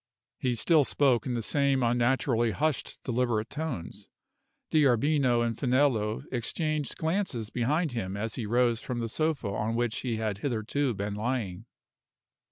He still spoke in the same unnaturally hushed, deliberate tones. D'Arbino and Finello exchanged glances behind him as he rose from the sofa on which he had hitherto been lying.